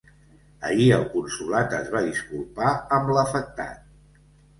Ahir el consolat es va disculpar amb l’afectat.